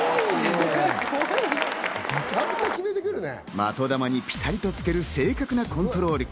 的球にぴたりとつける正確なコントロール。